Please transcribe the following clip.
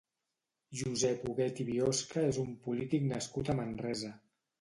Josep Huguet i Biosca és un polític nascut a Manresa.